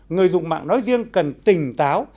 người dùng mạng nói riêng cần tỉnh táo